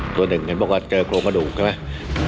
ตัวหนึ่งเห็นบอกว่าเจอโครงกระดูกใช่ไหม